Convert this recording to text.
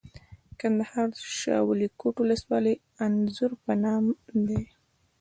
د کندهار شاولیکوټ ولسوالۍ انځر په نام دي.